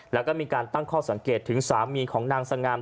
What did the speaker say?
แล้วก็มีการตั้งข้อสังเกตถึงสามีของนางสง่าม